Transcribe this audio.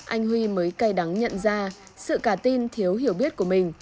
anh huy mới cay đắng nhận ra sự cả tin thiếu hiểu biết của mình